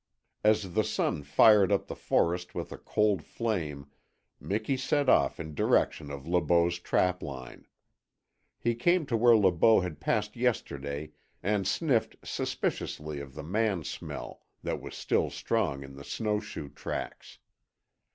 As the sun fired up the forest with a cold flame Miki set off in direction of Le Beau's trapline. He came to where Le Beau had passed yesterday and sniffed suspiciously of the man smell that was still strong in the snowshoe tracks.